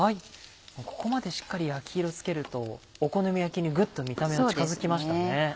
ここまでしっかり焼き色つけるとお好み焼きにグッと見た目が近づきましたね。